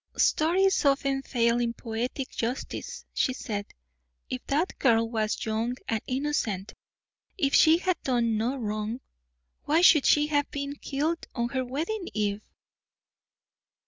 "Stories often fail in poetic justice," she said. "If that girl was young and innocent, if she had done no wrong, why should she have been killed on her wedding eve?"